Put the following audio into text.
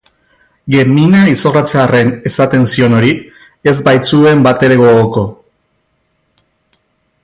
Gemmina izorratzearren esaten zion hori, ez baitzuen batere gogoko.